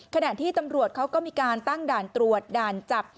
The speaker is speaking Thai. ขณะที่ตำรวจเขาก็มีการตั้งด่านตรวจด่านจับ